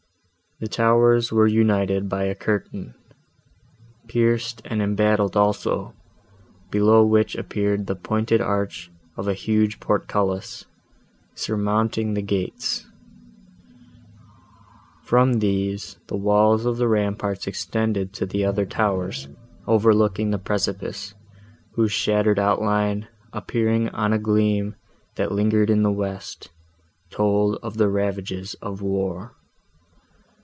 The towers were united by a curtain, pierced and embattled also, below which appeared the pointed arch of a huge portcullis, surmounting the gates: from these, the walls of the ramparts extended to other towers, overlooking the precipice, whose shattered outline, appearing on a gleam, that lingered in the west, told of the ravages of war.